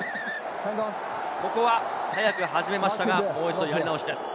ここは早く始めましたが、もう一度やり直しです。